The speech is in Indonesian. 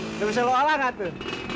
nggak bisa lu alah nggak tuh